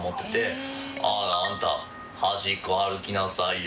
あらあんた端っこ歩きなさいよ。